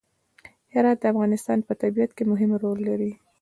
هرات د افغانستان په طبیعت کې مهم رول لري.